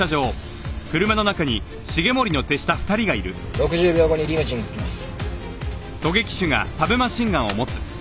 ６０秒後にリムジンが来ます。